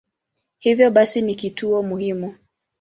Hivyo basi ni kituo muhimu.